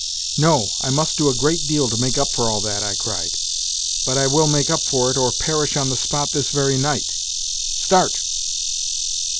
" No, I must do a great deal to make up for all that," I cried. " But I will make up for it or perish on the spot this very night. Start